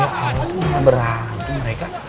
eh alamak berantem mereka